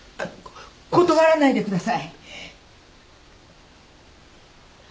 断らないでください。